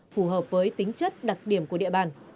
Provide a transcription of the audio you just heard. phù hợp với tính chất đặc điểm của địa bàn